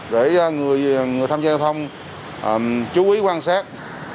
để người tham gia giao thông chú ý quan sát